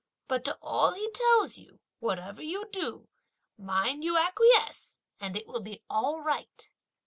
But to all he tells you, whatever you do, mind you acquiesce and it will be all right!"